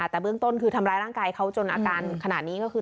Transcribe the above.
แต่เบื้องต้นคือทำร้ายร่างกายเขาจนอาการขนาดนี้ก็คือ